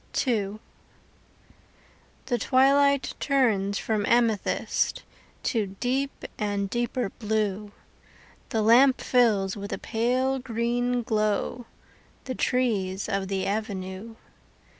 II The twilight turns from amethyst To deep and deeper blue, The lamp fills with a pale green glow The trees of the avenue.